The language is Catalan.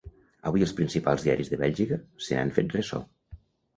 Avui els principals diaris de Bèlgica se n’han fet ressò.